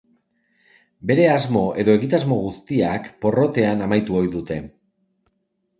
Bere asmo edo egitasmo guztiak porrotean amaitu ohi dute.